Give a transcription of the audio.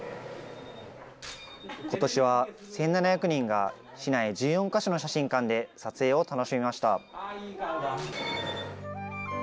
ことしは１７００人が、市内１４か所の写真館で撮影を楽しみました。